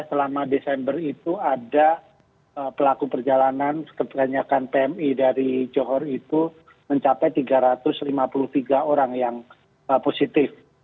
selama desember itu ada pelaku perjalanan kebanyakan pmi dari johor itu mencapai tiga ratus lima puluh tiga orang yang positif